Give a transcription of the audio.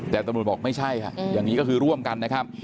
แต่ตำรวจบอกไม่ใช่ค่ะอย่างนี้ก็คือร่วมกันนะครับ